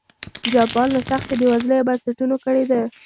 جاپان له سختې بېوزلۍ او بنسټونو کړېده.